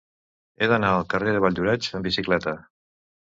He d'anar al carrer de Valldoreix amb bicicleta.